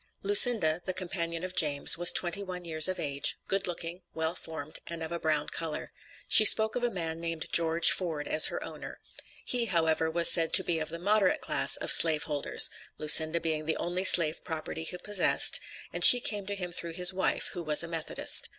Lucinda, the companion of James, was twenty one years of age, good looking, well formed and of a brown color. She spoke of a man named George Ford as her owner. He, however, was said to be of the "moderate class" of slave holders; Lucinda being the only slave property he possessed, and she came to him through his wife (who was a Methodist).